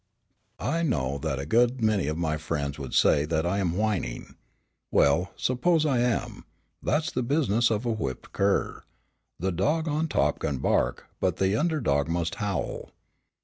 "I know that a good many of my friends would say that I am whining. Well, suppose I am, that's the business of a whipped cur. The dog on top can bark, but the under dog must howl.